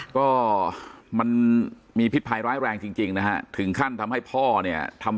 ก็มันมีพิษภัยร้ายแรงจริงนะฮะถึงขั้นทำให้พ่อเนี่ยทำ